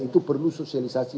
itu perlu sosialisasi